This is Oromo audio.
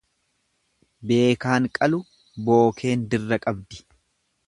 Beekaan qalu, bookeen dirra qabdi.